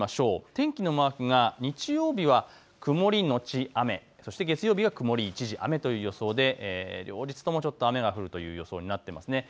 天気のマークが日曜日は曇り後雨、そして月曜日は曇り一時雨という予想で両日ともちょっと雨が降るという予想になっていますね。